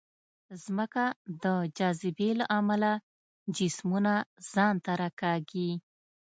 ځمکه د جاذبې له امله جسمونه ځان ته راکاږي.